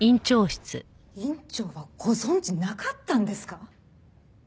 院長はご存じなかったんですか？